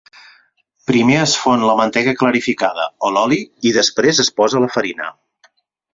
Primer es fon la mantega clarificada o l'oli, i després es posa la farina.